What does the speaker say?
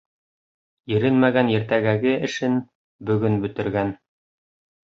Иренмәгән иртәгәге эшен бөгөн бөтөргән.